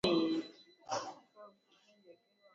kulingana na ripoti ya ubora wa hewa iliyotolewa mwaka uliopita